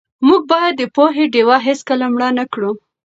موږ باید د پوهې ډېوه هېڅکله مړه نه کړو.